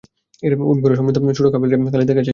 উট-ঘোড়া সমৃদ্ধ ছোট কাফেলাটি খালিদের কাছে এসে পড়ে।